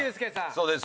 そうです。